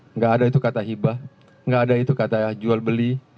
nggak ada itu kata hibah nggak ada itu kata jual beli